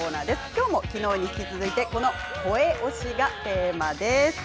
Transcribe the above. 今日も昨日に引き続いて声推しがテーマです。